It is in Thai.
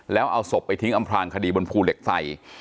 แล้วเอาศพไปทิ้งอำพลางคดีบนภูเหล็กไฟ